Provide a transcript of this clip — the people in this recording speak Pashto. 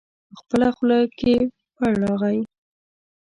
په خپله خوله کې پړ راغی.